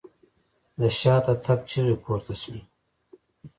د شاته تګ چيغې پورته شوې.